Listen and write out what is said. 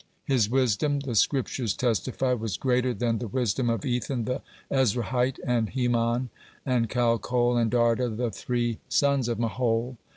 (18) His wisdom, the Scriptures testify, was greater than the wisdom of Ethan the Ezrahite, and Heman, and Calcol, and Darda, the three sons of Mahol.